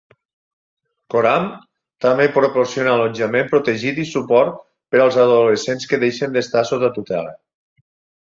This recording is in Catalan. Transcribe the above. Coram també proporciona allotjament protegit i suport per als adolescents que deixen d'estar sota tutela.